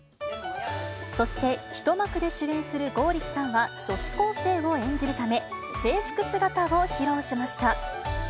そして１幕で主演する剛力さんは、女子高生を演じるため、制服姿を披露しました。